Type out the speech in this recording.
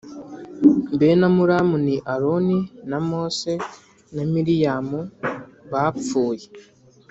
Bene Amuramu ni Aroni na Mose na Miriyamu bapfuye